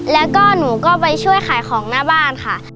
แล้วก็หนูก็ไปช่วยขายของหน้าบ้านค่ะ